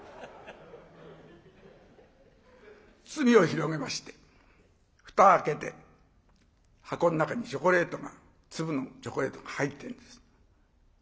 包みを広げまして蓋開けて箱の中にチョコレートが粒のチョコレートが入ってるんです。